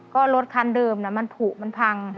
ก็รถคันเดิมมันผูกมันพัง